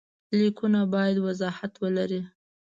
لیکونه باید وضاحت ولري.